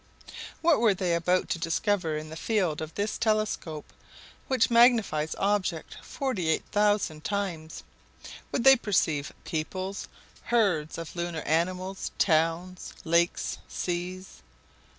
What were they about to discover in the field of this telescope which magnified objects 48,000 times? Would they perceive peoples, herds of lunar animals, towns, lakes, seas?